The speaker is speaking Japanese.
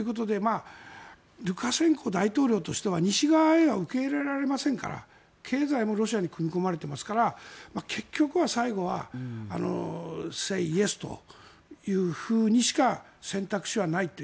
ルカシェンコ大統領としては西側へは受け入れられませんから経済もロシアに組み込まれていますから結局は最後はセイ・イエスというふうにしか選択肢はないと。